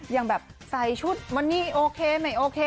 อย่างแบบใส่ชุดวันนี้โอเคไม่โอเค